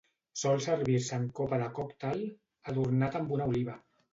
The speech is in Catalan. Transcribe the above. Sol servir-se en copa de còctel, adornat amb una oliva.